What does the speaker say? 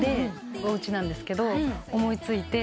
おうちなんですけど思い付いて。